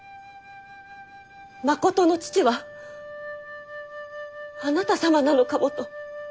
まことの父はあなた様なのかもと。